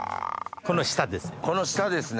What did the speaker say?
この下ですね。